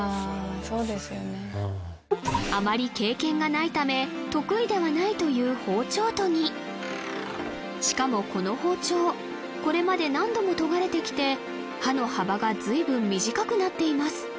そうですよねあまり経験がないため得意ではないという包丁研ぎしかもこの包丁これまで何度も研がれてきて刃の幅が随分短くなっています